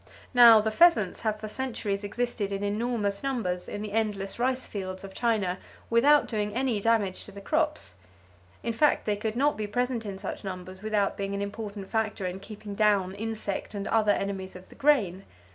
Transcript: Now the pheasants have for centuries existed in enormous numbers in the endless ricefields of China, without doing any damage to the crops. In fact they could not be present in such numbers without being an important factor in keeping down insect and other enemies of the grain.